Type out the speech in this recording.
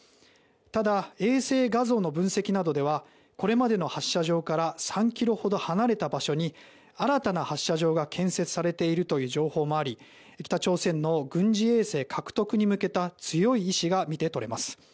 ただ、衛星画像の分析などではこれまでの発射場から３ｋｍほど離れた場所に新たな発射場が建設されているという情報もあり北朝鮮の軍事衛星獲得に向けた強い意思が見て取れます。